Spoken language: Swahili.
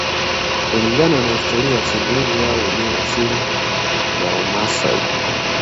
Kulingana na historia simulizi yao wenyewe asili ya Wamasai